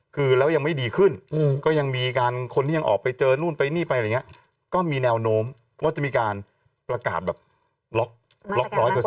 คือแล้วยังไม่ดีขึ้นก็ยังมีการคนที่ยังออกไปเจอนู่นไปนี่ไปอะไรอย่างนี้ก็มีแนวโน้มว่าจะมีการประกาศแบบล็อก๑๐๐